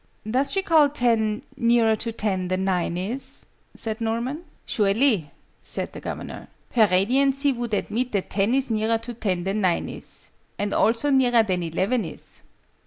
"Does she call ten nearer to ten than nine is?" said Norman. "Surely," said the Governor. "Her Radiancy would admit that ten is nearer to ten than nine is and also nearer than eleven is."